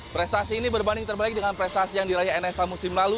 prestasi ini berbanding terbalik dengan prestasi yang diraih nsa musim lalu